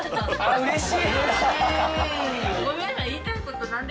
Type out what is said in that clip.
うれしい。